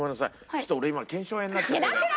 ちょっと俺今腱鞘炎になっちゃって。